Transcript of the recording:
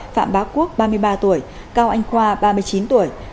phạm bá quốc ba mươi ba tuổi cao anh khoa ba mươi chín tuổi